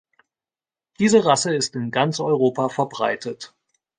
Diese Rasse ist in ganz Europa verbreitet.